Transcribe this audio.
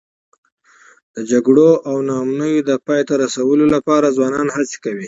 د جګړو او ناامنیو د پای ته رسولو لپاره ځوانان هڅې کوي.